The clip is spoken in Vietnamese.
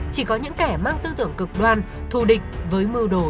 chỉ có những kẻ mang tư tưởng cực đoan thù địch với mưu đồ